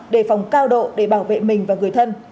đề phòng cao độ để bảo vệ mình và người thân